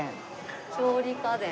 調理家電。